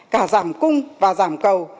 cả giảm cung và giảm cầu